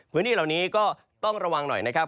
พื้นที่เหล่านี้ก็ต้องระวังหน่อยนะครับ